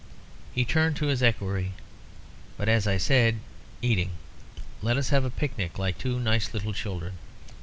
He turned to his equerry. "But, as I said 'eating,' let us have a picnic like two nice little children.